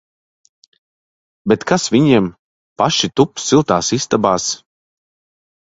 Bet kas viņiem! Paši tup siltās istabās!